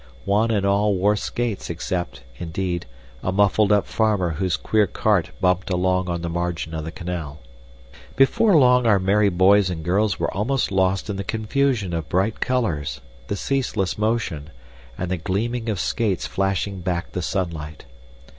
One and all wore skates except, indeed, a muffled up farmer whose queer cart bumped along on the margin of the canal. Before long our merry boys and girls were almost lost in the confusion of bright colors, the ceaseless motion, and the gleaming of skates flashing back the sunlight.